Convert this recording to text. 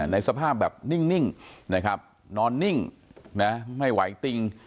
ในสภาพแบบนิ่งนอนนิ่งไม่ไหวติ้ง